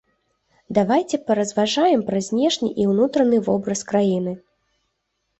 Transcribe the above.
Давайце паразважаем пра знешні і ўнутраны вобраз краіны.